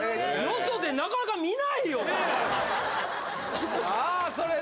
よそでなかなか見ないよさあ